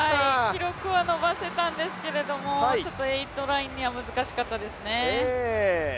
記録は伸ばせたんですけど、８ラインには難しかったですね。